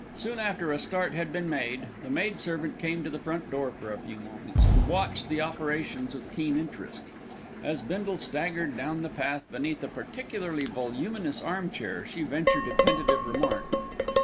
Soon after a start had been made, the maidservant came to the front door for a few moments, and watched the operations with keen interest. As Bindle staggered down the path beneath a particularly voluminous armchair she ventured a tentative remark.